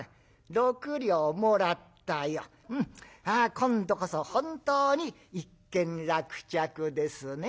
今度こそ本当に一件落着ですね。